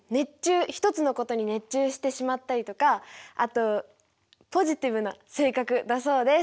一つのことに熱中してしまったりとかあとポジティブな性格だそうです。